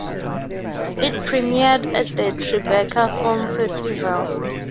It premiered at the Tribeca Film Festival.